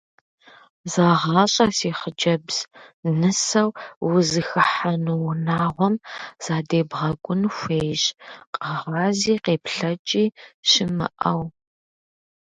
Зэгъащӏэ си хъыджэбз: нысэу узыхыхьэну унагъуэм задебгъэкӏун хуейщ, къэгъази къеплъэкӏи щымыӏэу.